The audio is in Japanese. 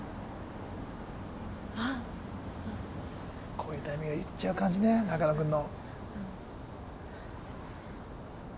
こういうタイミングで言っちゃう感じね中野くんの。